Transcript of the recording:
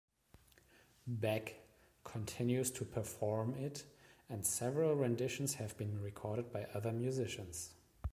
Beck continues to perform it and several renditions have been recorded by other musicians.